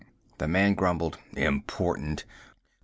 The man grumbled, "Important!